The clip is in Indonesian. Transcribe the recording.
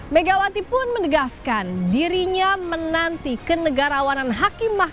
megawati pun menegaskan dirinya menanti kenegarawanan